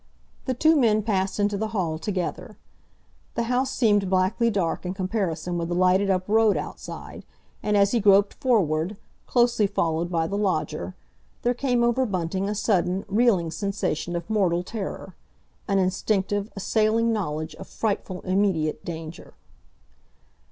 The two men passed into the hall together. The house seemed blackly dark in comparison with the lighted up road outside, and as he groped forward, closely followed by the lodger, there came over Bunting a sudden, reeling sensation of mortal terror, an instinctive, assailing knowledge of frightful immediate danger.